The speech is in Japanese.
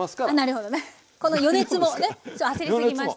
この余熱もね焦りすぎました